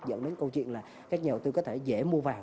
dẫn đến câu chuyện là các nhà đầu tư có thể dễ mua vàng